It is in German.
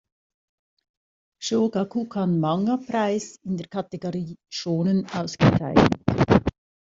Shōgakukan-Manga-Preis in der Kategorie Shōnen ausgezeichnet.